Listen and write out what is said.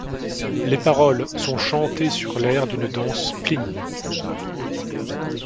Les paroles sont chantées sur l'air d'une danse plinn.